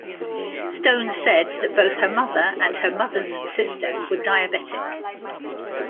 Stone said that both her mother and her mother's sister were diabetic.